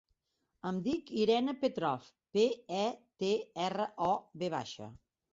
Em dic Irene Petrov: pe, e, te, erra, o, ve baixa.